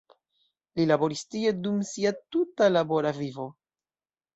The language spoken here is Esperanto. Li laboris tie dum sia tuta labora vivo.